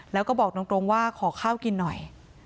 แล้วก็บอกตรงว่าขอข้าวกินหน่อย